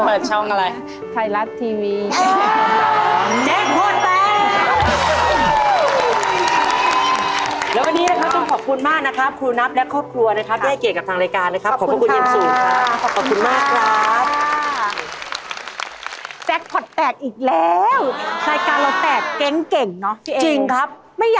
เปิดช่องแล้วเพิ่งเปิดช่องอะไร